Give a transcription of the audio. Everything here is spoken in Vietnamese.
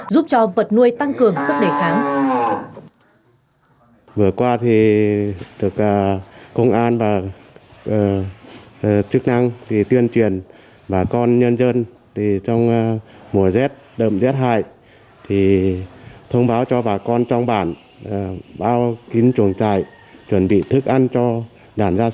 giúp cho vật nuôi tăng cường sức đề kháng